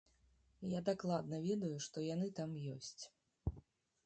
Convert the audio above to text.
Я дакладна ведаю, што яны там ёсць.